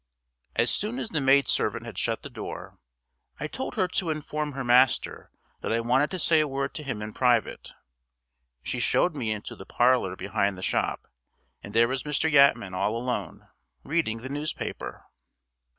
As soon as the maid servant had shut the door, I told her to inform her master that I wanted to say a word to him in private. She showed me into the parlor behind the shop, and there was Mr. Yatman all alone, reading the newspaper.